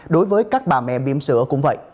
đối với các bà mẹ biểm sữa cũng vậy